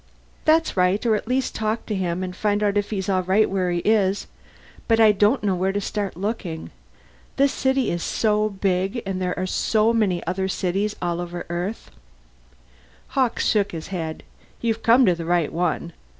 "That's right. Or at least talk to him and find out if he's all right where he is. But I don't know where to start looking. This city is so big and there are so many other cities all over Earth " Hawkes shook his head. "You've come to the right one.